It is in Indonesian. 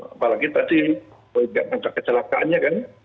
apalagi tadi kecelakaannya kan